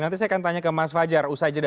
nanti saya akan tanya ke mas fajar usai jeda